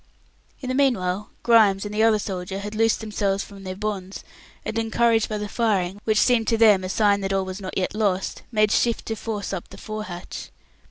In the meanwhile, Grimes and the other soldier had loosed themselves from their bonds, and, encouraged by the firing, which seemed to them a sign that all was not yet lost, made shift to force up the forehatch.